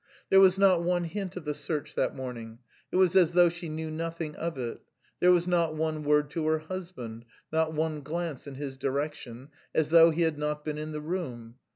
There was not one hint of the search that morning; it was as though she knew nothing of it. There was not one word to her husband, not one glance in his direction as though he had not been in the room.